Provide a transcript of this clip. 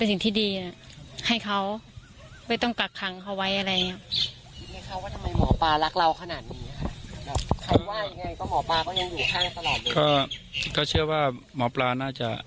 ว่ายิ่งหายหอยวังยังอยู่ห้างตลอดเพราะเชื่อว่าหมอปลาน่าจะ